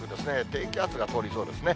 低気圧が通りそうですね。